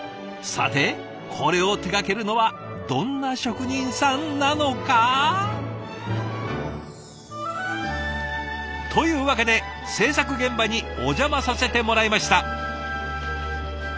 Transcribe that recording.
さてこれを手がけるのはどんな職人さんなのか？というわけで制作現場にお邪魔させてもらいました。